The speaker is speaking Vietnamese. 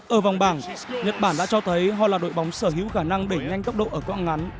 ở vòng bảng nhật bản đã cho thấy họ là đội bóng sở hữu khả năng đẩy nhanh tốc độ ở cõng ngắn